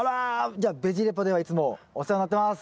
じゃあベジレポではいつもお世話になってます！